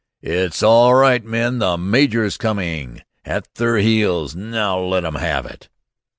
"It's all right, men! The major's coming at their heels. Now let 'em have it!"